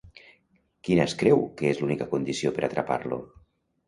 Quina es creu que és l'única condició per atrapar-lo?